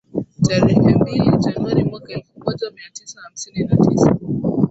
Tarehe mbili Januari mwaka elfu moja mia tisa hamsini na tisa